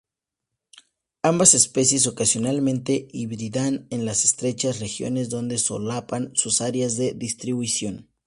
Ambas especies ocasionalmente hibridan en las estrechas regiones donde solapan sus áreas de distribución.